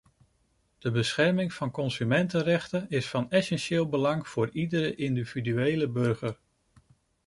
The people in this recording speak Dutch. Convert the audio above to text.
De bescherming van consumentenrechten is van essentieel belang voor iedere individuele burger.